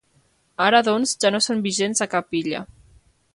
Ara, doncs, ja no són vigents a cap illa.